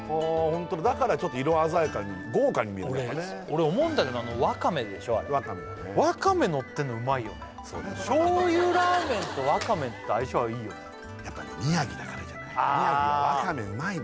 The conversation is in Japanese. ホントだだからちょっと色鮮やかに豪華に見えるね俺思うんだけどあのワカメでしょあれワカメのってんのうまいよね醤油ラーメンとワカメって相性はいいよねやっぱ宮城だからじゃない？